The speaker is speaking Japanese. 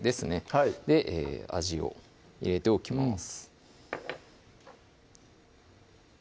はいで味を入れておきます